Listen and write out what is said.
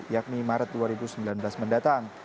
yakni maret dua ribu sembilan belas mendatang